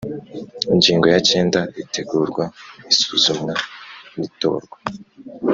Ingingo ya cyenda Itegurwa Isuzumwa n’Itorwa